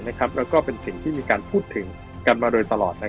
แล้วก็เป็นสิ่งที่มีการพูดถึงกันมาโดยตลอด